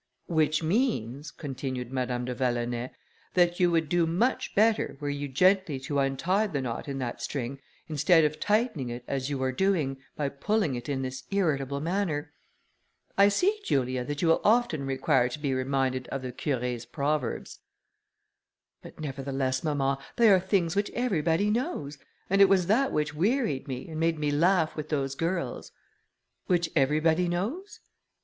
"Which means," continued Madame de Vallonay, "that you would do much better, were you gently to untie the knot in that string, instead of tightening it as you are doing, by pulling it in this irritable manner. I see, Julia, that you will often require to be reminded of the Curé's proverbs." "But, nevertheless, mamma, they are things which everybody knows, and it was that which wearied me, and made me laugh with those girls." "Which everybody knows?